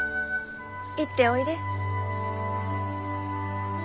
行っておいで。